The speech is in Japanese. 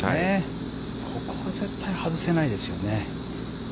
ここは絶対外せないですよね。